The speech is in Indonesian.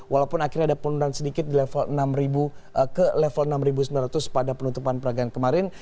walaupun akhirnya ada penurunan sedikit di level enam ribu ke level enam sembilan ratus pada penutupan peragaan kemarin